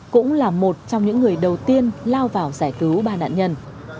cũng là một trong những người đầu tiên lao vào giải cứu ba nạn nhân